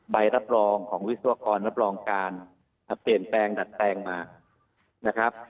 ใบรับรองของวิศวกรรับรองการเปลี่ยนแปลงดัดแปลงมานะครับ